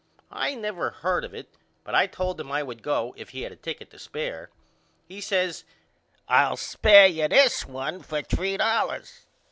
I never heard of it but I told him I would go if he had a ticket to spare. He says I will spare you this one for three dollars.